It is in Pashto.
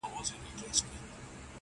ورور هم فشار للاندي دی او خپل عمل پټوي,